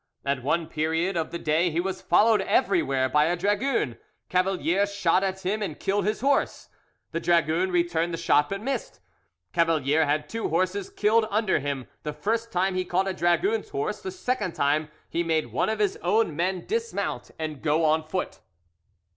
At one period of the day he was followed everywhere by a dragoon; Cavalier shot at him and killed his horse. The dragoon returned the shot, but missed. Cavalier had two horses killed under him; the first time he caught a dragoon's horse, the second time he made one of his own men dismount and go on foot."